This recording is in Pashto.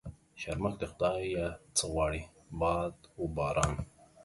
شرمښ د خدا يه څه غواړي ؟ باد و باران.